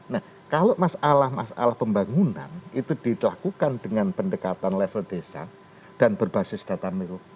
nah kalau masalah masalah pembangunan itu dilakukan dengan pendekatan level desa dan berbasis data mikro